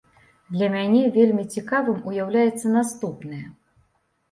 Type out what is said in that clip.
Для мяне вельмі цікавым уяўляецца наступнае.